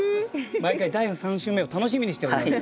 毎回第３週目を楽しみにしております。